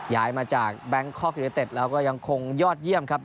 ย้ายมาจากแบงคอกยูเนเต็ดแล้วก็ยังคงยอดเยี่ยมครับ